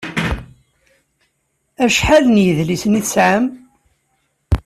Acḥal n yedlisen i tesɛam?